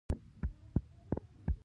او نۀ د فاکس پۀ رنګ هوښيار وي